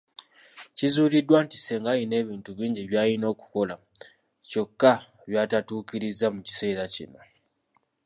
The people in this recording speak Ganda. Kizuuliddwa nti Ssenga alina ebintu bingi byayina okukola, kyokka byatatuukiriza mu kiseera kino.